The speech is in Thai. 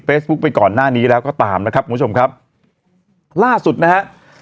ไปก่อนหน้านี้แล้วก็ตามนะครับคุณผู้ชมครับล่าสุดนะฮะ